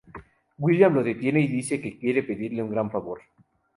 William lo detiene y dice que quiere pedirle un gran favor.